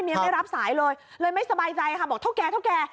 ไม่รับสายเลยเลยไม่สบายใจค่ะบอกเท่าแก่เท่าแก่